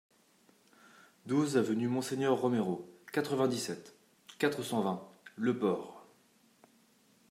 douze avenue Monseigneur Roméro, quatre-vingt-dix-sept, quatre cent vingt, Le Port